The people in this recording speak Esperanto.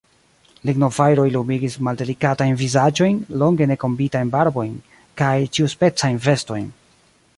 Lignofajroj lumigis maldelikatajn vizaĝojn, longe ne kombitajn barbojn kaj ĉiuspecajn vestojn.